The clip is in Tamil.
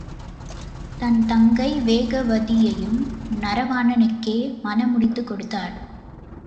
தன் தங்கை வேகவதியையும் நரவாணனுக்கே மணம் முடித்துக் கொடுத்தான்.